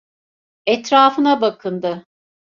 Etrafına bakındı…